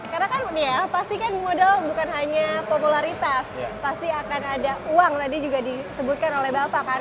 karena kan ya pastikan modal bukan hanya popularitas pasti akan ada uang tadi juga disebutkan oleh bapak kan